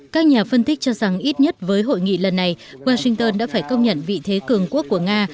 các nhà phân tích cho rằng ít nhất với hội nghị lần này washington đã phải công nhận vị thế cường quốc của nga